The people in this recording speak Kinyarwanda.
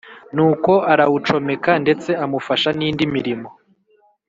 nuko arawucomeka ndetse amufasha n‘indi mirimo